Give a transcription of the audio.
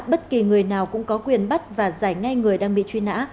bất kỳ người nào cũng có quyền bắt và giải ngay người đang bị truy nã